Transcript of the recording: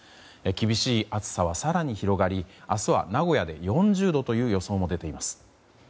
厳しい暑さは更に広がり明日は名古屋で４０度という予想も出ています。